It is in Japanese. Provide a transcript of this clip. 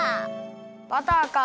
バターか。